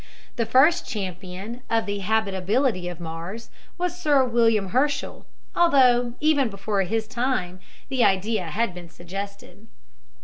The first champion of the habitability of Mars was Sir William Herschel, although even before his time the idea had been suggested.